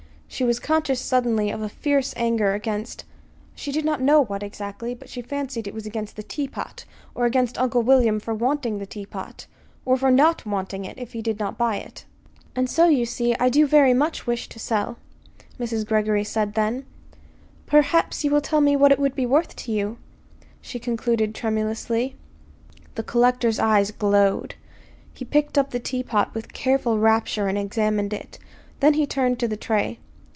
She was conscious suddenly of a fierce anger against she did not know what, exactly; but she fancied it was against the teapot, or against Uncle William for wanting the teapot, or for not wanting it if he did not buy it. "And so you see, I do very much wish to sell." Mrs. Greggory said then. "Perhaps you will tell me what it would be worth to you," she concluded tremulously. The collector's eyes glowed. He picked up the teapot with careful rapture and examined it. Then he turned to the tray.